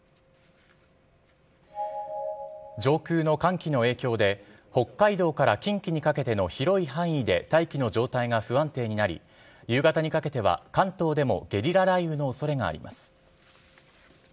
上空の寒気の影響で、北海道から近畿にかけての広い範囲で大気の状態が不安定になり、夕方にかけては関東でもゲリラ雷雨のおそれがあります。